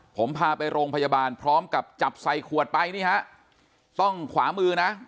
ผมพาไปโรงพยาบาลพร้อมกับจับใส่ขวดไปนี่ฮะต้องขวามือนะ